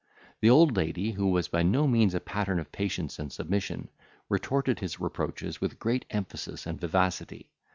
The old lady, who was by no means a pattern of patience and submission, retorted his reproaches with great emphasis and vivacity.